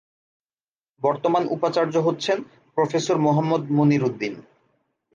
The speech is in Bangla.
বর্তমান উপাচার্য হচ্ছেন প্রফেসর মোহাম্মদ মনির উদ্দিন।